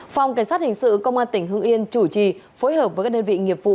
phòng cảnh sát hình sự công an tỉnh hưng yên chủ trì phối hợp với các đơn vị nghiệp vụ